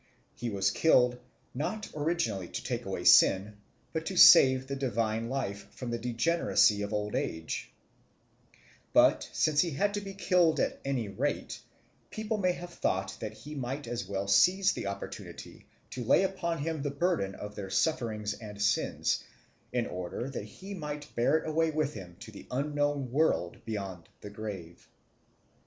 He was killed, not originally to take away sin, but to save the divine life from the degeneracy of old age; but, since he had to be killed at any rate, people may have thought that they might as well seize the opportunity to lay upon him the burden of their sufferings and sins, in order that he might bear it away with him to the unknown world beyond the grave.